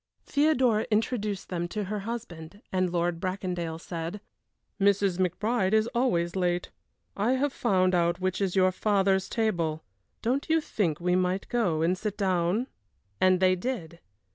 Theodora introduced them to her husband, and Lord Bracondale said: "Mrs. McBride is always late. I have found out which is your father's table; don't you think we might go and sit down?" And they did.